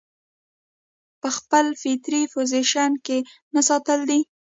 پۀ خپل فطري پوزيشن کښې نۀ ساتل دي